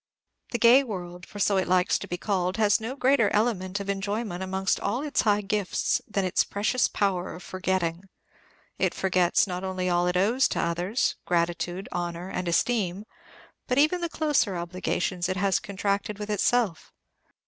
The gay world, for so it likes to be called, has no greater element of enjoyment amongst all its high gifts than its precious power of forgetting. It forgets not only all it owes to others, gratitude, honor, and esteem, but even the closer obligations it has contracted with itself.